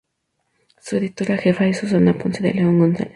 Su editora jefa es Susana Ponce de León González.